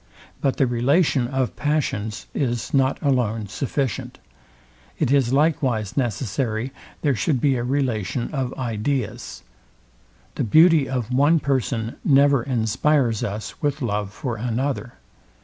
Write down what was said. But the relation of passions is not alone sufficient. It is likewise necessary, there should be a relation of ideas. The beauty of one person never inspires us with love for another.